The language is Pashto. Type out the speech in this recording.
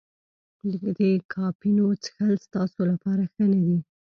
د کافینو څښل ستاسو لپاره ښه نه دي.